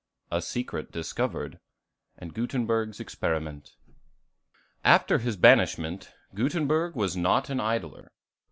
A Secret discovered. Gutenberg's Experiment. After his banishment, Gutenberg was not an idler.